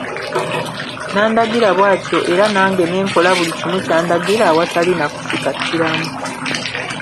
N'andagira bw'atyo era nange ne nkola buli kimu ky'andagira awatali na kusikattiramu.